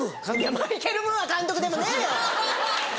マイケル・ムーア監督でもねえよ！